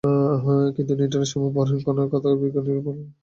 কিন্তু নিউটনের সময় ভরহীন কণার কথা বিজ্ঞানীরা কল্পনাও করতে পারতেন না।